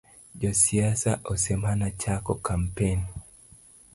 Josiasa osemana chako kampen